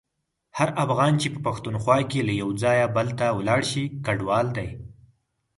هر افغان چي په پښتونخوا کي له یو ځایه بل ته ولاړشي کډوال دی.